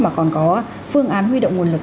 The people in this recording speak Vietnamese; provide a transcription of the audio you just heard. mà còn có phương án huy động nguồn lực